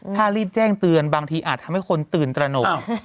ถ้ารีบแจ้งเตือนบางทีอาจทำให้คนตื่นตระหนก